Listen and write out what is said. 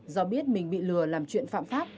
do biết mình bị lừa làm chuyện phạm pháp